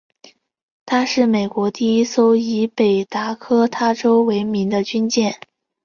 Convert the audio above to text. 她是美军第一艘以北达科他州为名的军舰。